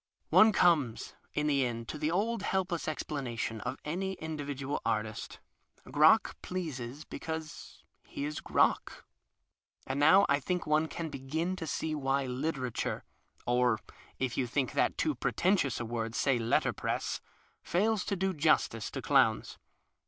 One comes in the end to the old helpless explanation of any individual artist. Crock pleases because he is Crock. And now I think one can begin to see why litera ture (or if you think that too pretentious a word, say letterpress) fails to do justice to clowns.